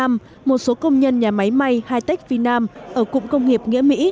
một số công nhân nhà máy may hitex vinam ở cụng công nghiệp nghĩa mỹ